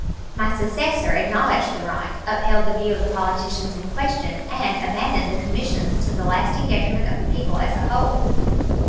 My successor acknowledged the right, upheld the view of the politicians in question, and abandoned the commissions, to the lasting detriment of the people as a whole.